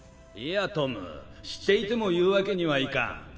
いやトム知っていても言うわけにはいかん